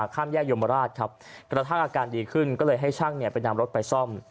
ข้ามแยกยมราชครับกระทั่งอาการดีขึ้นก็เลยให้ช่างไปนำรถไปซ่อม